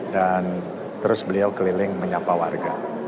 terus beliau keliling menyapa warga